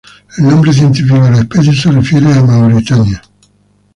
El nombre científico de la especie se refiere a Mauretania.